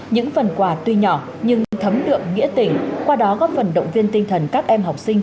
những phần quà tuy nhỏ nhưng thấm đượm nghĩa tỉnh qua đó góp phần động viên tinh thần các em học sinh